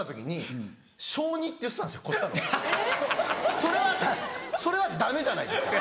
それはそれはダメじゃないですか。